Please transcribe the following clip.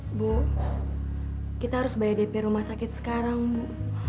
ibu kita harus bayar dp rumah sakit sekarang bu